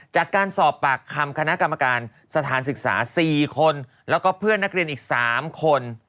จากการสอบปากคำคณะกรรมการสถานศึกษา๔คนแล้วก็เพื่อนนักเรียนอีก๓คน